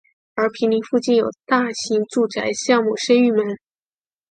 而毗邻附近有大型住宅项目升御门。